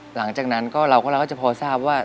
หลังจากนั้นก็เราก็จะพอทราบว่า